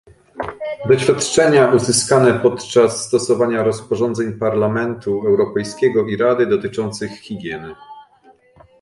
Doświadczenia uzyskane podczas stosowania rozporządzeń Parlamentu Europejskiego i Rady dotyczących higieny